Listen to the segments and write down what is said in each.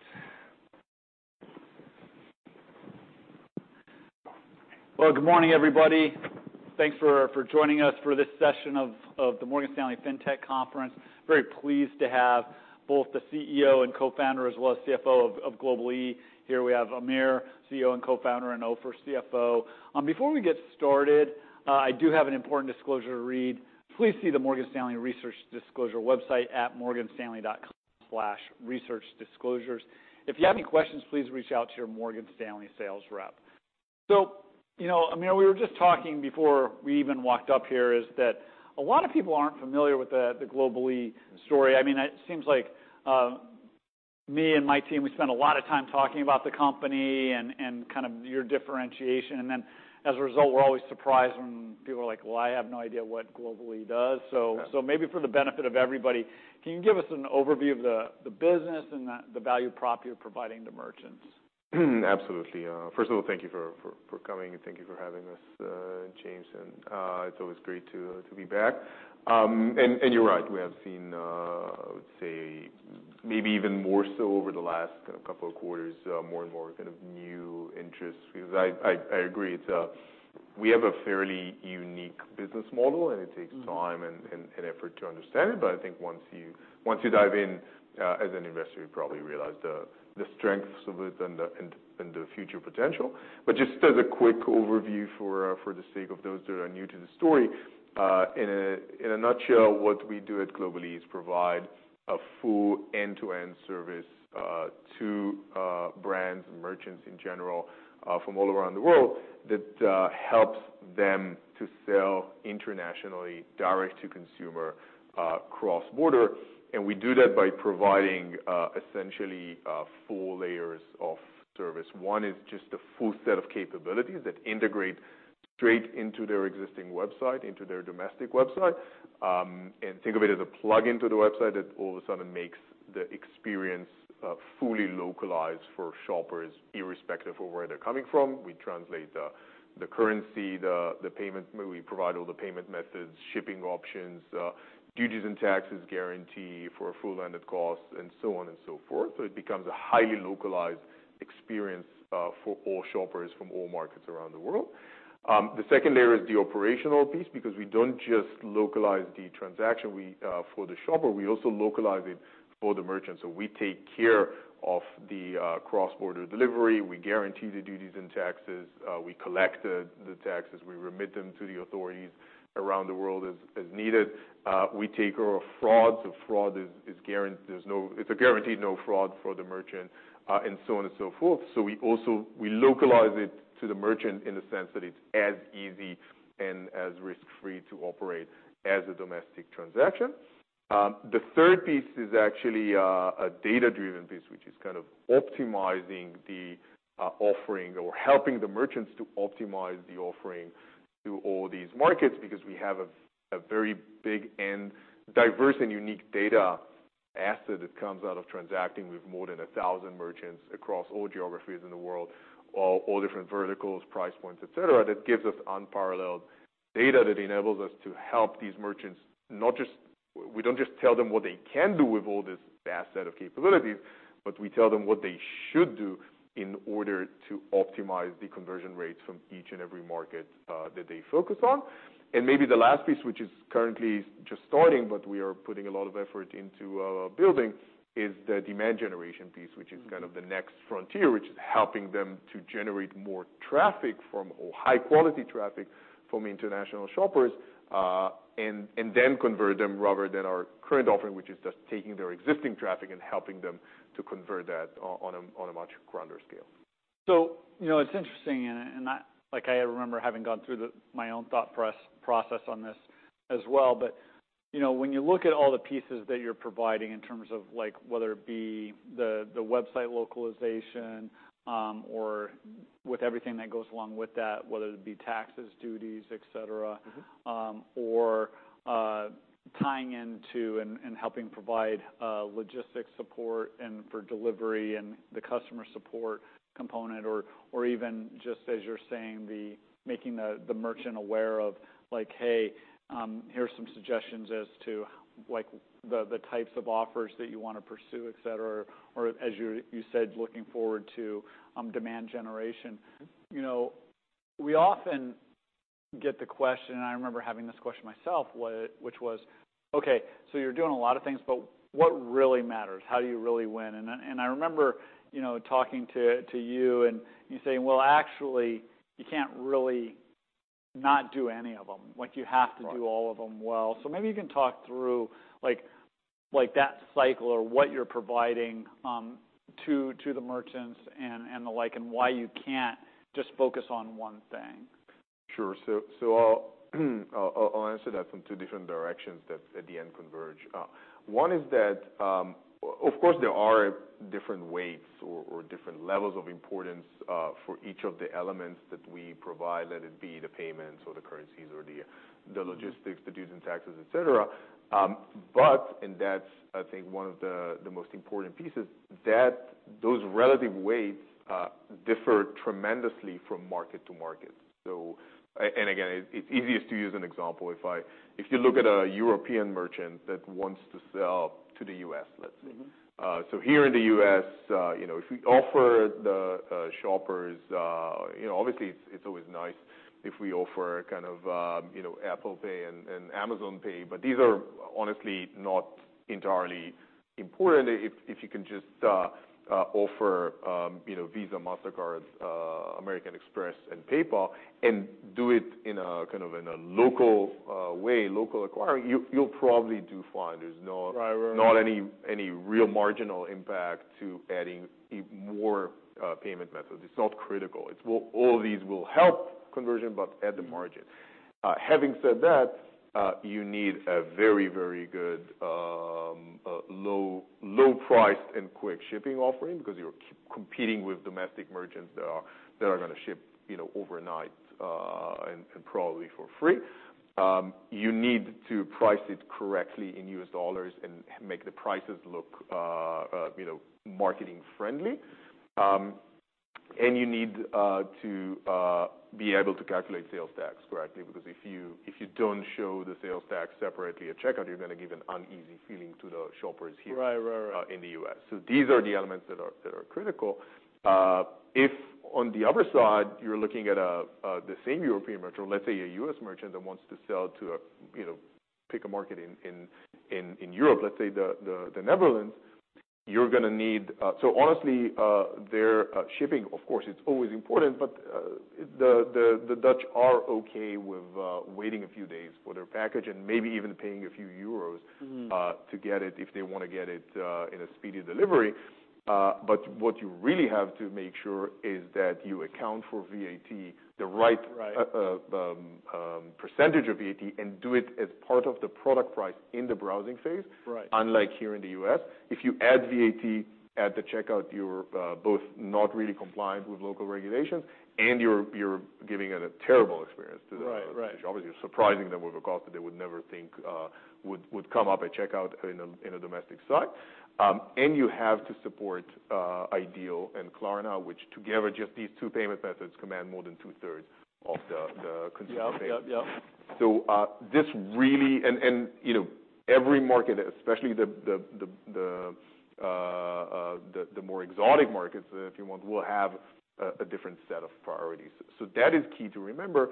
All right. Well, good morning, everybody. Thanks for joining us for this session of the Morgan Stanley Fintech Conference. Very pleased to have both the CEO and Co-Founder, as well as CFO of Global-e. Here we have Amir, CEO and Co-Founder, and Ofer, CFO. Before we get started, I do have an important disclosure to read. Please see the Morgan Stanley Research Disclosure website at morganstanley.com/researchdisclosures. If you have any questions, please reach out to your Morgan Stanley sales rep. You know, Amir, we were just talking before we even walked up here, is that a lot of people aren't familiar with the Global-e story. I mean, it seems like me and my team, we spend a lot of time talking about the company and kind of your differentiation. As a result, we're always surprised when people are like: "Well, I have no idea what Global-e does. Yeah. Maybe for the benefit of everybody, can you give us an overview of the business and the value prop you're providing to merchants? Absolutely. First of all, thank you for coming, and thank you for having us, James, and it's always great to be back. You're right. We have seen, I would say, maybe even more so over the last kind of couple of quarters, more and more kind of new interests. I agree, it's. We have a fairly unique business model, and it takes. Mm. time and effort to understand it. I think once you, once you dive in as an investor, you probably realize the strengths of it and the future potential. Just as a quick overview for the sake of those that are new to the story, in a nutshell, what we do at Global-e is provide a full end-to-end service to brands and merchants in general from all around the world, that helps them to sell internationally, direct-to-consumer, cross-border. We do that by providing essentially four layers of service. One is just a full set of capabilities that integrate straight into their existing website, into their domestic website. Think of it as a plugin to the website that all of a sudden makes the experience, fully localized for shoppers, irrespective of where they're coming from. We translate the currency, the payment, we provide all the payment methods, shipping options, duties and taxes, guarantee for a full landed cost, and so on and so forth. It becomes a highly localized experience, for all shoppers from all markets around the world. The second layer is the operational piece, because we don't just localize the transaction for the shopper, we also localize it for the merchant. We take care of the cross-border delivery, we guarantee the duties and taxes, we collect the taxes, we remit them to the authorities around the world as needed. We take care of frauds. Fraud is a guaranteed no fraud for the merchant, and so on and so forth. We localize it to the merchant in the sense that it's as easy and as risk-free to operate as a domestic transaction. The third piece is actually a data-driven piece, which is kind of optimizing the offering or helping the merchants to optimize the offering to all these markets, because we have a very big and diverse and unique data asset that comes out of transacting with more than 1,000 merchants across all geographies in the world, all different verticals, price points, et cetera. That gives us unparalleled data that enables us to help these merchants, we don't just tell them what they can do with all this vast set of capabilities, but we tell them what they should do in order to optimize the conversion rates from each and every market that they focus on. Maybe the last piece, which is currently just starting, but we are putting a lot of effort into building, is the demand generation piece. Mm. Which is kind of the next frontier, which is helping them to generate more traffic or high-quality traffic from international shoppers, and then convert them, rather than our current offering, which is just taking their existing traffic and helping them to convert that on a much grander scale. You know, it's interesting, and I, like, I remember having gone through the, my own thought process on this as well. You know, when you look at all the pieces that you're providing in terms of like, whether it be the website localization, or with everything that goes along with that, whether it be taxes, duties, et cetera. Mm-hmm... or tying into and helping provide logistics support and for delivery and the customer support component, or even just as you're saying, the making the merchant aware of like: "Hey, here are some suggestions as to like, the types of offers that you want to pursue, et cetera." As you said, looking forward to demand generation. Mm. You know, we often get the question, and I remember having this question myself, which was: Okay, you're doing a lot of things, but what really matters? How do you really win? I remember, you know, talking to you, and you saying: "Well, actually, you can't really not do any of them. Like, you have to. Right... do all of them well." Maybe you can talk through like, that cycle or what you're providing to the merchants and the like, why you can't just focus on one thing. Sure. I'll answer that from two different directions that at the end, converge. One is that, of course, there are different weights or different levels of importance for each of the elements that we provide, let it be the payments or the currencies, or the logistics, the duties and taxes, et cetera. That's, I think, one of the most important pieces, those relative weights differ tremendously from market to market. Again, it's easiest to use an example. If you look at a European merchant that wants to sell to the U.S., let's say. Mm-hmm. Here in the U.S., you know, if we offer the shoppers, you know, obviously, it's always nice if we offer kind of, you know, Apple Pay and Amazon Pay, but these are honestly not entirely important. If you can just offer, you know, Visa, Mastercard, American Express, and PayPal, and do it in a kind of in a local way, local acquiring, you'll probably do fine. There's no. Right. Right.... not any real marginal impact to adding even more payment methods. It's not critical. All these will help conversion, but at the margin. Having said that, you need a very, very good low price and quick shipping offering because you're competing with domestic merchants that are gonna ship, you know, overnight, and probably for free. You need to price it correctly in U.S. dollars and make the prices look, you know, marketing-friendly. You need to be able to calculate sales tax correctly, because if you don't show the sales tax separately at checkout, you're gonna give an uneasy feeling to the shoppers here. Right. Right, right in the U.S. These are the elements that are critical. If on the other side, you're looking at a, the same European merchant, or let's say, a U.S. merchant that wants to sell to a, you know, pick a market in Europe, let's say, the Netherlands, you're gonna need. Honestly, their shipping, of course, it's always important, but the Dutch are okay with waiting a few days for their package and maybe even paying a few euros. Mm-hmm to get it if they wanna get it in a speedy delivery. What you really have to make sure is that you account for VAT. Right... Percentage of VAT and do it as part of the product price in the browsing phase. Right. Unlike here in the U.S., if you add VAT at the checkout, you're both not really compliant with local regulations, and you're giving it a terrible experience to the. Right. Right.... Obviously, you're surprising them with a cost that they would never think would come up at checkout in a domestic site. You have to support iDEAL and Klarna, which together, just these two payment methods, command more than 2/3 of the consumer payment. Yep. Yep. Yep. You know, every market, especially the more exotic markets, if you want, will have a different set of priorities. That is key to remember.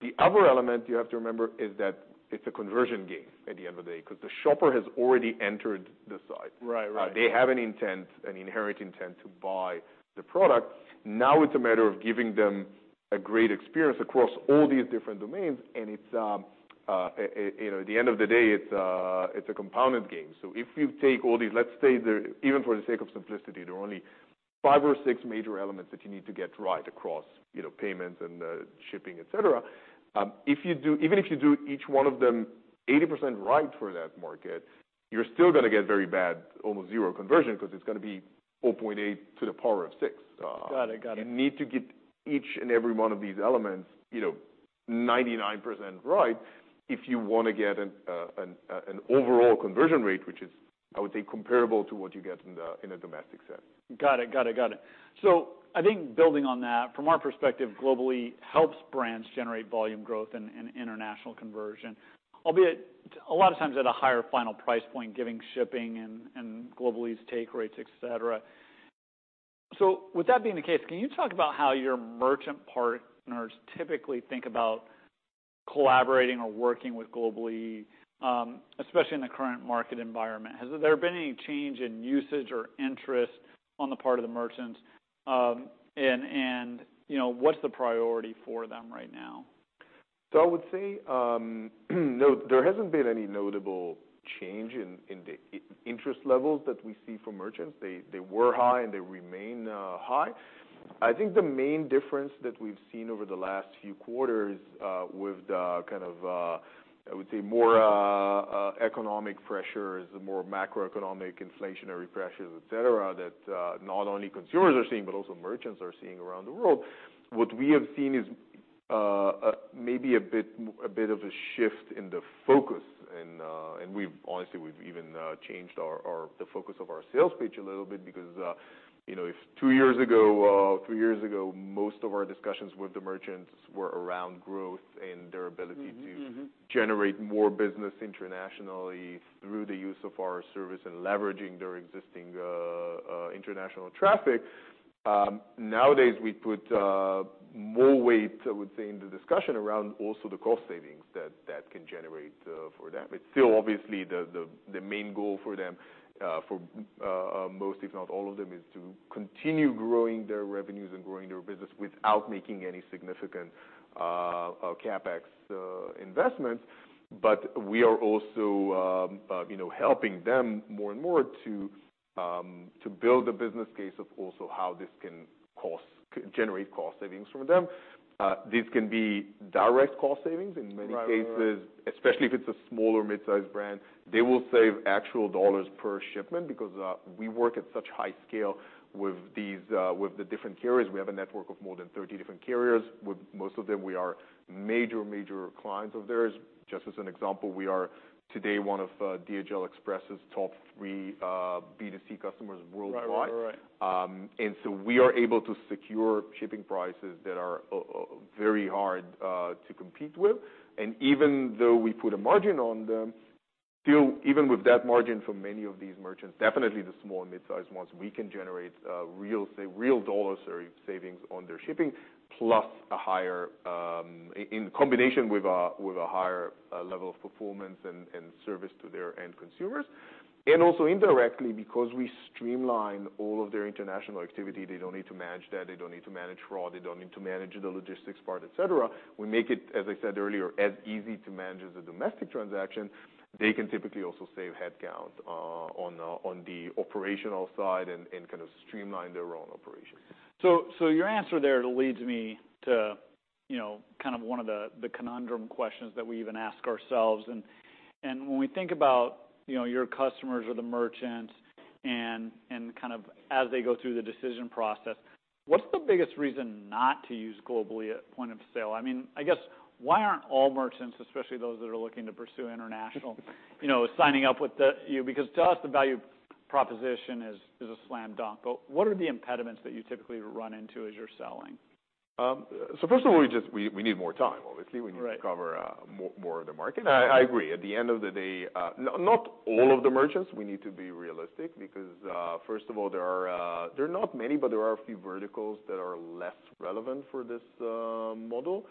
The other element you have to remember is that it's a conversion game at the end of the day, 'cause the shopper has already entered the site. Right. Right. They have an intent, an inherent intent to buy the product. Now, it's a matter of giving them a great experience across all these different domains, and it's, you know, at the end of the day, it's a compounded game. If you take all these, let's say, there, even for the sake of simplicity, there are only five or six major elements that you need to get right across, you know, payments and shipping, et cetera. Even if you do each one of them 80% right for that market, you're still gonna get very bad, almost 0 conversion, 'cause it's gonna be 4.8 to the power of 6. Got it. Got it. You need to get each and every one of these elements, you know, 99% right if you wanna get an overall conversion rate, which is, I would say, comparable to what you get in a domestic sense. Got it. Got it, got it. I think building on that, from our perspective, Global-e helps brands generate volume growth and international conversion, albeit a lot of times at a higher final price point, giving shipping and Global-e's take rates, et cetera. With that being the case, can you talk about how your merchant partners typically think about collaborating or working with Global-e, especially in the current market environment? Has there been any change in usage or interest on the part of the merchants? And, you know, what's the priority for them right now? I would say, no, there hasn't been any notable change in interest levels that we see from merchants. They were high, and they remain high. I think the main difference that we've seen over the last few quarters, with the kind of, I would say, more economic pressures, more macroeconomic inflationary pressures, et cetera, that not only consumers are seeing, but also merchants are seeing around the world. What we have seen is, maybe a bit of a shift in the focus and honestly, we've even changed our, the focus of our sales pitch a little bit because, you know, if two years ago, three years ago, most of our discussions with the merchants were around growth and their ability to. Mm-hmm. Mm-hmm.... generate more business internationally through the use of our service and leveraging their existing international traffic. Nowadays, we put more weight, I would say, in the discussion around also the cost savings that can generate for them. It's still obviously the main goal for them, for most, if not all of them, is to continue growing their revenues and growing their business without making any significant CapEx investments. We are also, you know, helping them more and more to build a business case of also how this can generate cost savings from them. This can be direct cost savings in many cases. Right. Right... especially if it's a small or mid-sized brand. They will save actual $ per shipment because we work at such high scale with these, with the different carriers. We have a network of more than 30 different carriers. With most of them, we are major clients of theirs. Just as an example, we are today, one of DHL Express's top 3 B2C customers worldwide. Right. Right. Right. We are able to secure shipping prices that are very hard to compete with. Even though we put a margin on them, still, even with that margin for many of these merchants, definitely the small and mid-sized ones, we can generate real, say, real dollar savings on their shipping, plus a higher, in combination with a higher level of performance and service to their end consumers. Indirectly, because we streamline all of their international activity, they don't need to manage that, they don't need to manage fraud, they don't need to manage the logistics part, et cetera. We make it, as I said earlier, as easy to manage as a domestic transaction. They can typically also save headcount on the operational side and kind of streamline their own operations. Your answer there leads me to, you know, kind of one of the conundrum questions that we even ask ourselves. When we think about, you know, your customers or the merchants and kind of as they go through the decision process, what's the biggest reason not to use Global-e at point of sale? I mean, I guess, why aren't all merchants, especially those that are looking to pursue international, you know, signing up with you? Because to us, the value proposition is a slam dunk. What are the impediments that you typically run into as you're selling? First of all, we need more time. Right we need to cover more of the market. I agree. At the end of the day, not all of the merchants. We need to be realistic because, first of all, there are not many, but there are a few verticals that are less relevant for this model.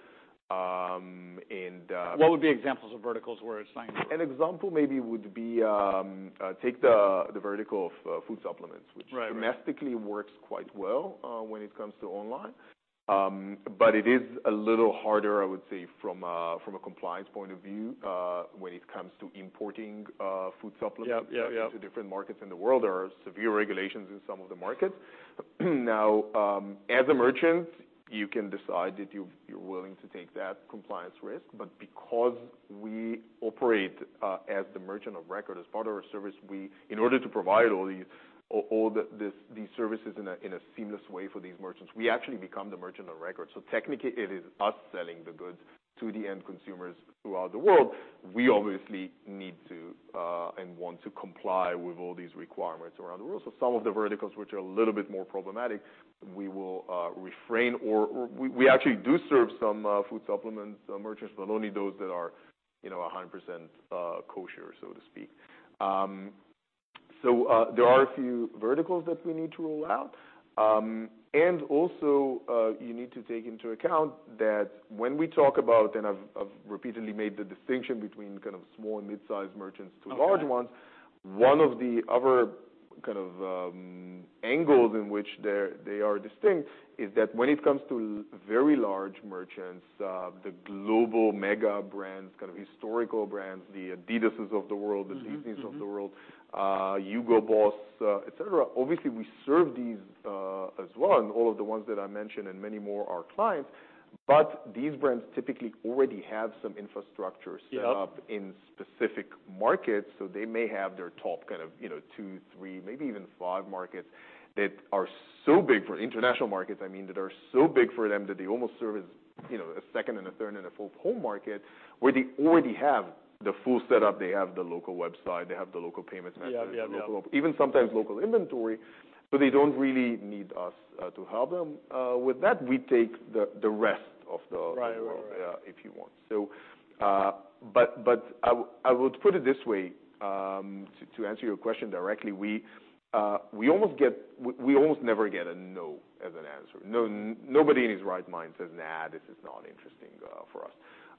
What would be examples of verticals where it's not? An example maybe would be, take the vertical of, food supplements Right which domestically works quite well, when it comes to online. It is a little harder, I would say, from a compliance point of view, when it comes to importing, food supplements. Yeah, yeah.... to different markets in the world. There are severe regulations in some of the markets. Now, as a merchant, you can decide that you're willing to take that compliance risk. Because we operate as the merchant of record, as part of our service, in order to provide all these, all the, these services in a, in a seamless way for these merchants, we actually become the merchant of record. Technically, it is us selling the goods to the end consumers throughout the world. We obviously need to and want to comply with all these requirements around the world. Some of the verticals, which are a little bit more problematic, we will refrain, or we actually do serve some food supplements merchants, but only those that are, you know, 100% kosher, so to speak. There are a few verticals that we need to rule out. You need to take into account that when we talk about, I've repeatedly made the distinction between kind of small and mid-sized merchants to large ones. Okay. One of the other kind of angles in which they are distinct is that when it comes to very large merchants, the global mega brands, kind of historical brands, the Adidases of the world. Mm-hmm, mm-hmm... the Zegna of the world, Hugo Boss, et cetera. Obviously, we serve these as well, and all of the ones that I mentioned and many more are clients. These brands typically already have some infrastructure set up. Yeah... in specific markets. They may have their top kind of, you know, two, three, maybe even five markets that are so big for international markets, I mean, that are so big for them that they almost serve as, you know, a second and a third and a fourth home market, where they already have the full setup. They have the local website; they have the local payments method- Yeah, yeah. Even sometimes local inventory. They don't really need us to help them with that. We take the rest of the- Right, right. Yeah, if you want. I would put it this way, to answer your question directly. We almost never get a no as an answer. Nobody in his right mind says, "Nah, this is not interesting for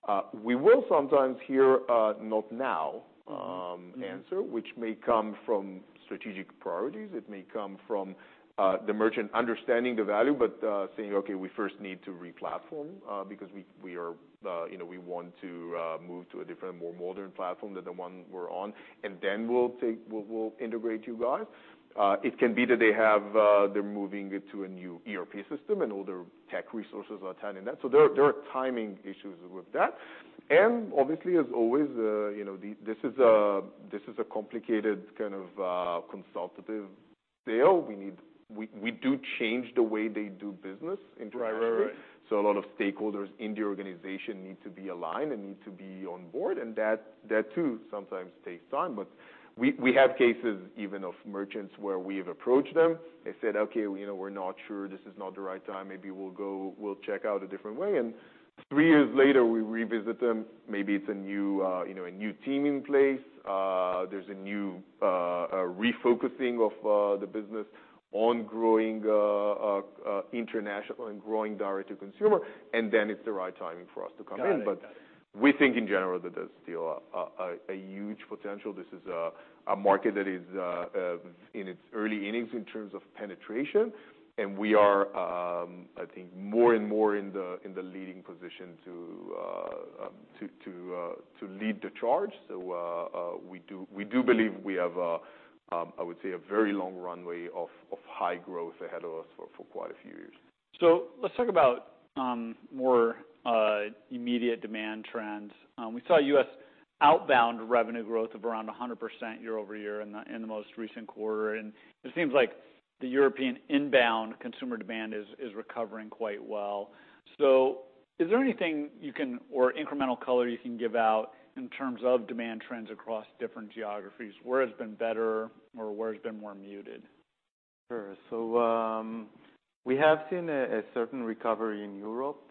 us." We will sometimes hear a "Not now," answer. Mm-hmm which may come from strategic priorities. It may come from the merchant understanding the value, but saying, "Okay, we first need to re-platform because we are, you know, we want to move to a different, more modern platform than the one we're on. We'll integrate you guys." It can be that they have, they're moving it to a new ERP system, and all their tech resources are attending that. There are timing issues with that. Obviously, as always, you know, this is a complicated kind of consultative sale. We do change the way they do business internationally. Right, right. A lot of stakeholders in the organization need to be aligned and need to be on board, and that too, sometimes takes time. We have cases even of merchants where we've approached them. They said, "Okay, you know, we're not sure. This is not the right time. Maybe we'll check out a different way." 3 years later, we revisit them. Maybe it's a new, you know, a new team in place. There's a new refocusing of the business on growing international and growing direct-to-consumer, and then it's the right timing for us to come in. Got it. we think in general, that there's still a huge potential. This is a market that is in its early innings in terms of penetration, and we are, I think, more and more in the leading position to lead the charge. we do believe we have, I would say, a very long runway of high growth ahead of us for quite a few years. Let's talk about more immediate demand trends. We saw U.S. outbound revenue growth of around 100% year-over-year in the most recent quarter, and it seems like the European inbound consumer demand is recovering quite well. Is there anything you can, or incremental color you can give out in terms of demand trends across different geographies? Where has been better or where has been more muted? Sure. We have seen a certain recovery in Europe.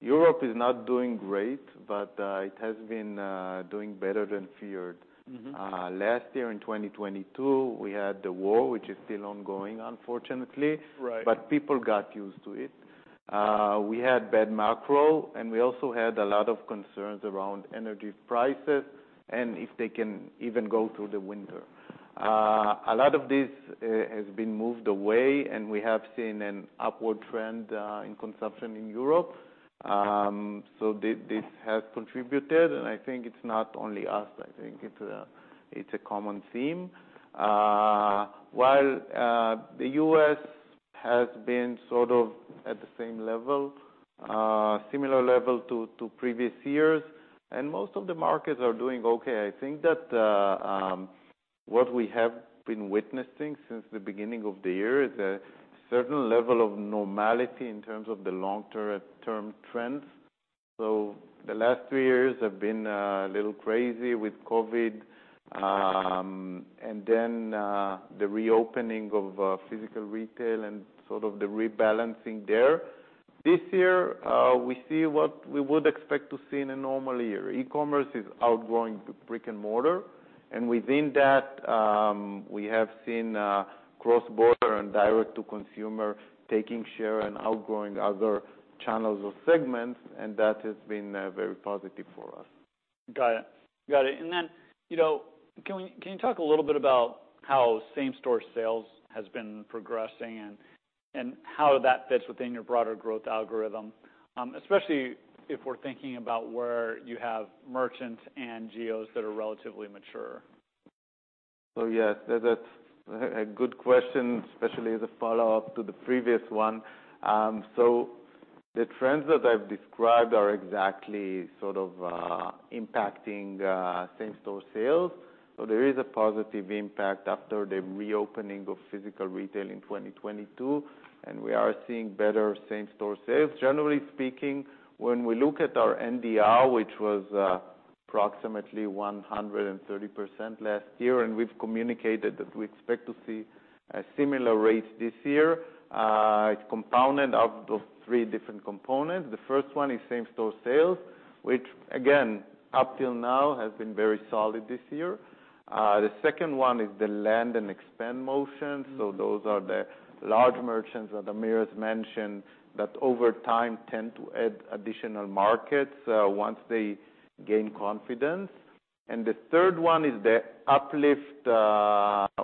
Europe is not doing great, but it has been doing better than feared. Mm-hmm. Last year, in 2022, we had the war, which is still ongoing, unfortunately. Right. People got used to it. We had bad macro, and we also had a lot of concerns around energy prices and if they can even go through the winter. A lot of this has been moved away, and we have seen an upward trend in consumption in Europe. This has contributed, and I think it's not only us, I think it's a common theme. While the U.S. has been sort of at the same level, similar level to previous years, and most of the markets are doing okay. I think that what we have been witnessing since the beginning of the year is a certain level of normality in terms of the long-term trends. The last three years have been a little crazy with COVID, and then the reopening of physical retail and sort of the rebalancing there. This year, we see what we would expect to see in a normal year. E-commerce is outgrowing brick and mortar, and within that, we have seen cross-border and direct-to-consumer taking share and outgrowing other channels or segments. That has been very positive for us. Got it. Got it. You know, can you talk a little bit about how same-store sales has been progressing and how that fits within your broader growth algorithm, especially if we're thinking about where you have merchants and geos that are relatively mature? Yes, that's a good question, especially as a follow-up to the previous one. The trends that I've described are exactly sort of impacting same-store sales. There is a positive impact after the reopening of physical retail in 2022, and we are seeing better same-store sales. Generally speaking, when we look at our NDR, which was approximately 130% last year, and we've communicated that we expect to see a similar rate this year, it's compounded out of three different components. The first one is same-store sales, which, again, up till now, has been very solid this year. The second one is the land and expand motion. Mm-hmm. Those are the large merchants that Amir has mentioned, that over time tend to add additional markets, once they gain confidence. The third one is the uplift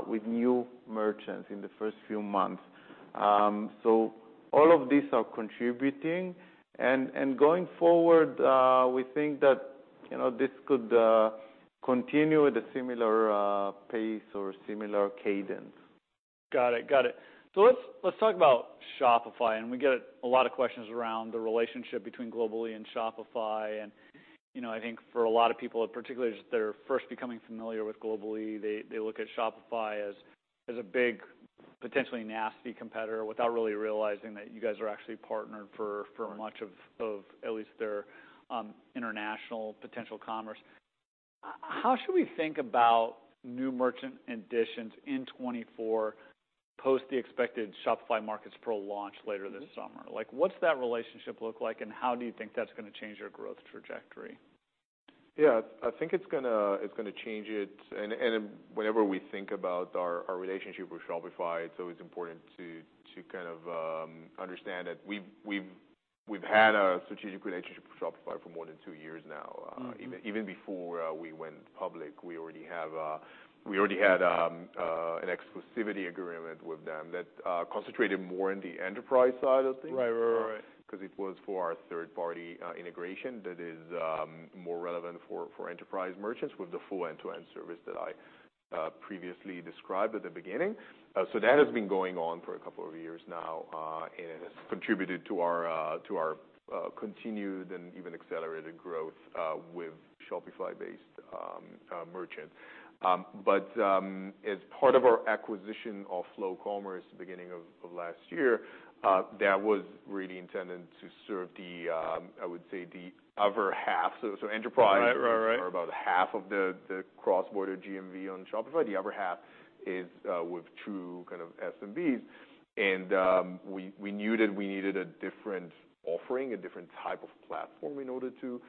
with new merchants in the first few months. All of these are contributing. Going forward, we think that, you know, this could continue at a similar pace or similar cadence. Got it. Got it. Let's talk about Shopify, We get a lot of questions around the relationship between Global-e and Shopify. You know, I think for a lot of people, particularly just they're first becoming familiar with Global-e, they look at Shopify as a big, potentially nasty competitor, without really realizing that you g`uys are actually partnered for Right... for much of at least their international potential commerce. How should we think about new merchant additions in 2024 post the expected Shopify Markets Pro launch later this summer? Like, what's that relationship look like, and how do you think that's gonna change your growth trajectory? Yeah, I think it's gonna change it. Whenever we think about our relationship with Shopify, it's always important to kind of understand that we've had a strategic relationship with Shopify for more than two years now. Mm-hmm. Even before we went public, we already had an exclusivity agreement with them that concentrated more on the enterprise side of things. Right. Right, right. 'Cause it was for our third-party integration that is more relevant for enterprise merchants with the full end-to-end service that I previously described at the beginning. That has been going on for a couple of years now, and it has contributed to our continued and even accelerated growth with Shopify-based merchants. As part of our acquisition of Flow Commerce at the beginning of last year, that was really intended to serve the, I would say, the other half. Right. Right, right are about half of the cross-border GMV on Shopify. The other half is with true kind of SMBs. We knew that we needed a different offering, a different type of platform, in order to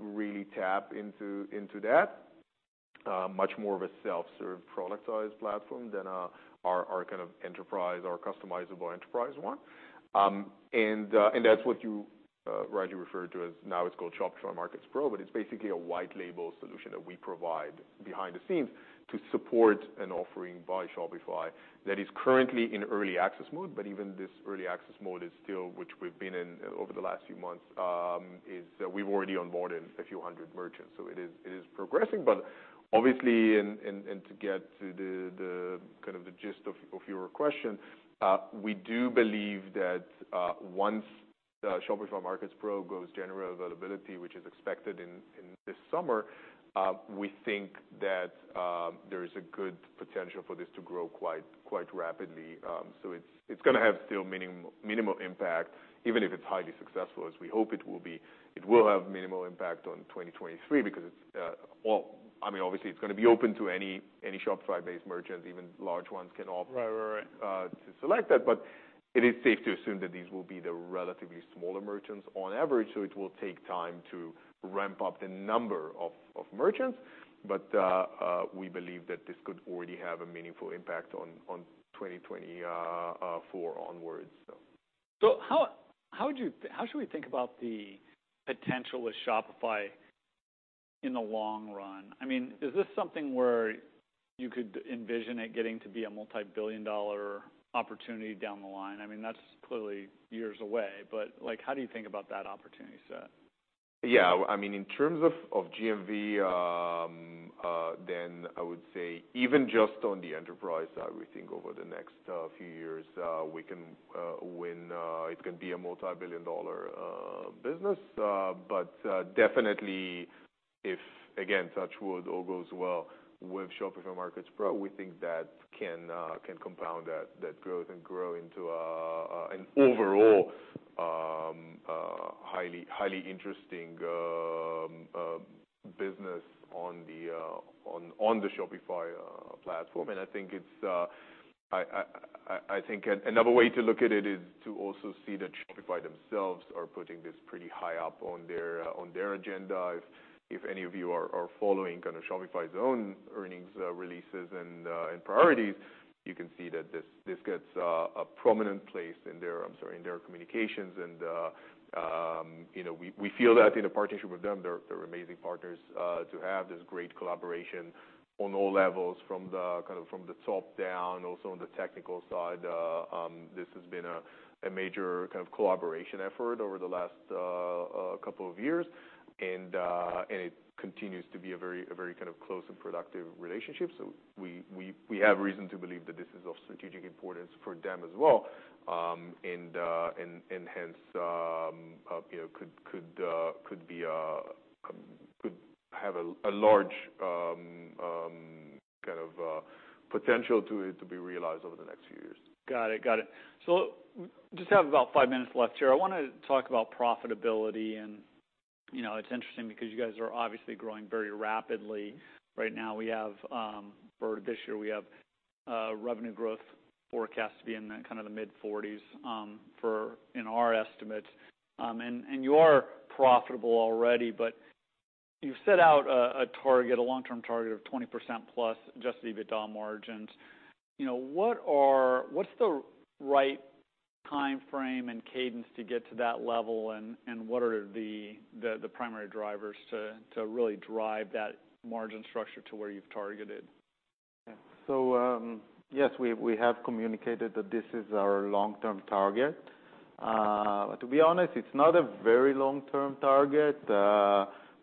really tap into that. Much more of a self-serve, productized platform than our kind of enterprise, our customizable enterprise one. And that's what you rightly referred to as now it's called Shopify Markets Pro, but it's basically a white label solution that we provide behind the scenes to support an offering by Shopify that is currently in early access mode. Even this early access mode is still, which we've been in over the last few months, is. We've already onboarded a few hundred merchants, so it is progressing. Obviously, and, and to get to the kind of the gist of your question, we do believe that once the Shopify Markets Pro goes general availability, which is expected in this summer, we think that there is a good potential for this to grow quite rapidly. So, it's gonna have still minimal impact, even if it's highly successful, as we hope it will be. It will have minimal impact on 2023 because it's, well, I mean, obviously, it's gonna be open to any Shopify-based merchants. Even large ones can opt- Right, right.... to select it. It is safe to assume that these will be the relatively smaller merchants on average, it will take time to ramp up the number of merchants. We believe that this could already have a meaningful impact on 2024 onwards. How should we think about the potential with Shopify in the long run? I mean, is this something where you could envision it getting to be a multi-billion dollar opportunity down the line? I mean, that's clearly years away, but, like, how do you think about that opportunity set? Yeah, I mean, in terms of GMV, I would say even just on the enterprise side, we think over the next few years, we can win. It can be a multi-billion-dollar business. Definitely if, again, touch wood, all goes well with Shopify Markets Pro, we think that can compound that growth and grow into an overall highly interesting business on the Shopify platform. I think another way to look at it is to also see that Shopify themselves are putting this pretty high up on their agenda. If any of you are following kind of Shopify's own earnings releases and priorities, you can see that this gets a prominent place in their, I'm sorry, in their communications. You know, we feel that in a partnership with them, they're amazing partners to have. There's great collaboration on all levels, from the kind of top down, also on the technical side. This has been a major kind of collaboration effort over the last couple of years. It continues to be a very kind of close and productive relationship. We have reason to believe that this is of strategic importance for them as well, and hence, you know, could be, could have a large, kind of, potential to be realized over the next few years. Got it. Got it. Just have about 5 minutes left here. I want to talk about profitability and, you know, it's interesting because you guys are obviously growing very rapidly. Right now, we have. For this year, we have revenue growth forecast to be in the kind of the mid-forties, for, in our estimates. And you are profitable already, but you've set out a target, a long-term target of 20% plus adjusted EBITDA margins. You know, what's the right timeframe and cadence to get to that level, and what are the primary drivers to really drive that margin structure to where you've targeted? Yes, we have communicated that this is our long-term target. To be honest, it's not a very long-term target.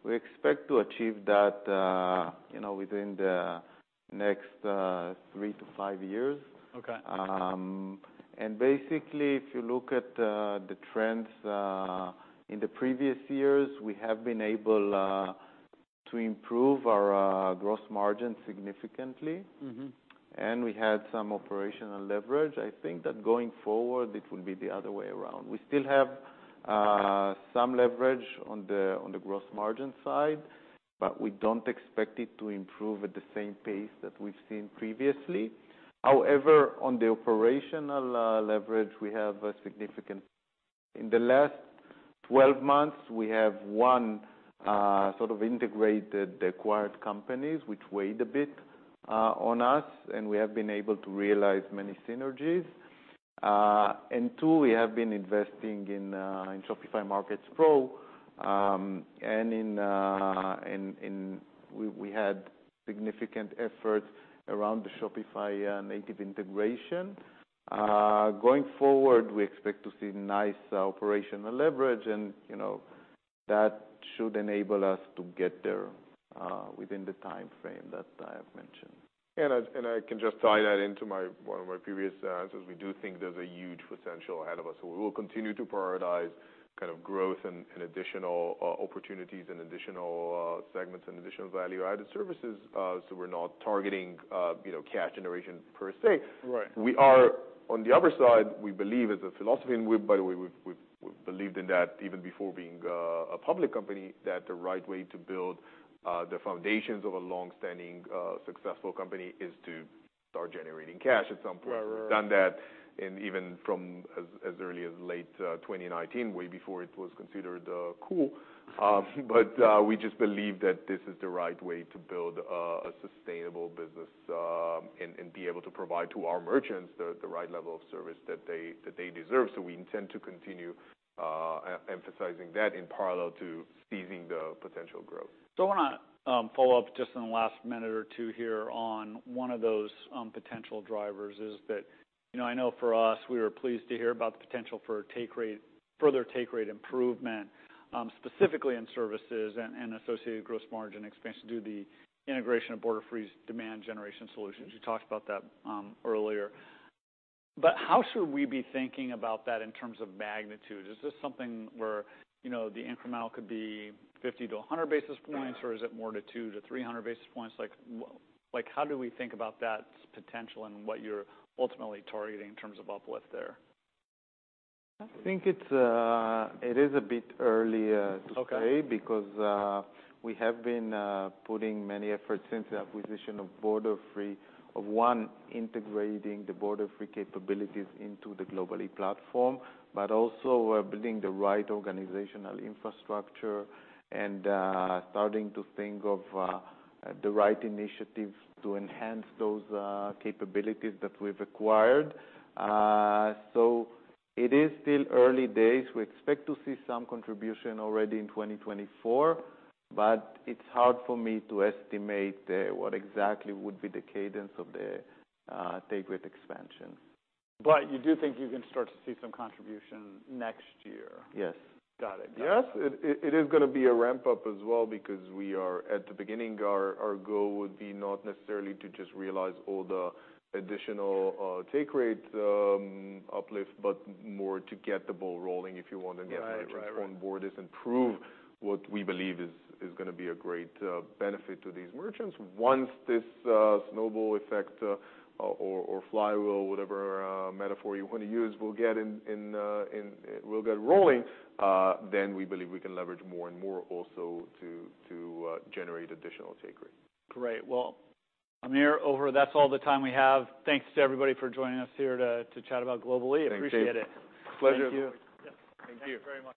We expect to achieve that, you know, within the next three to five years. Okay. Basically, if you look at the trends in the previous years, we have been able to improve our gross margin significantly. Mm-hmm. We had some operational leverage. I think that going forward, it will be the other way around. We still have some leverage on the gross margin side, but we don't expect it to improve at the same pace that we've seen previously. However, on the operational leverage, in the last 12 months, we have 1 sort of integrated the acquired companies, which weighed a bit on us, and we have been able to realize many synergies. 2, we have been investing in Shopify Markets Pro, and we had significant efforts around the Shopify native integration. Going forward, we expect to see nice operational leverage, you know, that should enable us to get there within the timeframe that I have mentioned. I can just tie that into my, one of my previous answers. We do think there's a huge potential ahead of us. We will continue to prioritize kind of growth and additional opportunities and additional segments and additional value-added services. We're not targeting, you know, cash generation per se. Right. On the other side, we believe as a philosophy, and we, by the way, we've believed in that even before being a public company, that the right way to build the foundations of a long-standing, successful company is to start generating cash at some point. Right. We've done that, even from as early as late 2019, way before it was considered cool. We just believe that this is the right way to build a sustainable business and be able to provide to our merchants the right level of service that they deserve. We intend to continue emphasizing that in parallel to seizing the potential growth. I wanna follow up just in the last minute or two here on one of those potential drivers, is that, you know, I know for us, we were pleased to hear about the potential for further take rate improvement, specifically in services and associated gross margin expansion, due to the integration of Borderfree's demand generation solutions. You talked about that earlier. How should we be thinking about that in terms of magnitude? Is this something where, you know, the incremental could be 50-100 basis points? Yeah. Is it more to 200-300 basis points? Like, how do we think about that potential and what you're ultimately targeting in terms of uplift there? I think it is a bit early to say. Okay... because we have been putting many efforts since the acquisition of Borderfree. Of one, integrating the Borderfree capabilities into the Global-e platform, also we're building the right organizational infrastructure and starting to think of the right initiatives to enhance those capabilities that we've acquired. It is still early days. We expect to see some contribution already in 2024, it's hard for me to estimate what exactly would be the cadence of the take rate expansion. You do think you can start to see some contribution next year? Yes. Got it. Yes, it is gonna be a ramp-up as well because we are at the beginning. Our goal would be not necessarily to just realize all the additional take rate uplift, but more to get the ball rolling, if you want. Right. Right, right... merchants on board and prove what we believe is gonna be a great benefit to these merchants. Once this snowball effect or flywheel, whatever metaphor you want to use, will get in, it will get rolling. Then we believe we can leverage more and more also to generate additional take rate. Great. Amir, Over, that's all the time we have. Thanks to everybody for joining us here to chat about Global-e. Thanks. Appreciate it. Pleasure. Thank you. Yep. Thank you very much.